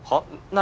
何？